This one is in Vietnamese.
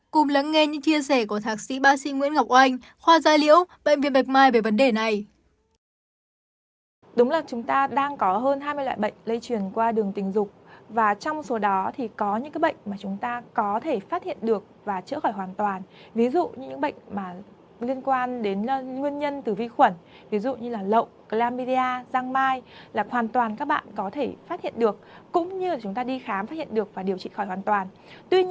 cùng lắng nghe những chia sẻ của thạc sĩ ba sinh nguyễn ngọc oanh khoa gia liễu bệnh viện bạch mai về vấn đề này